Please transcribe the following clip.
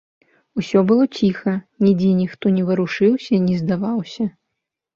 Усё было ціха, нідзе ніхто не варушыўся, не здаваўся.